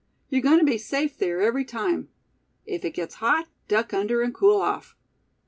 You're going to be safe there, every time. If it gets hot, duck under, and cool off.